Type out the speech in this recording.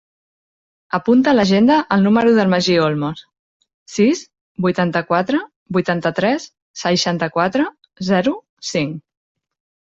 Apunta a l'agenda el número del Magí Olmos: sis, vuitanta-quatre, vuitanta-tres, seixanta-quatre, zero, cinc.